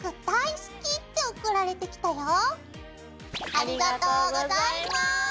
ありがとうございます！